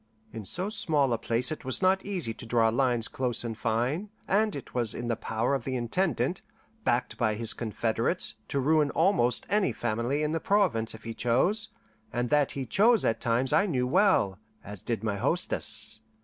In so small a place it was not easy to draw lines close and fine, and it was in the power of the Intendant, backed by his confederates, to ruin almost any family in the province if he chose; and that he chose at times I knew well, as did my hostess.